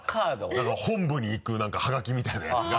何か本部に行く何かハガキみたいなやつが。